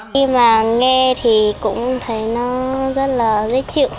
khi mà nghe thì cũng thấy nó rất là dễ chịu